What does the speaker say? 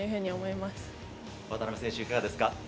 ま渡辺選手、いかがですか？